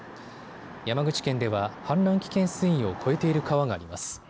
山口県では氾濫危険水位を超えている川があります。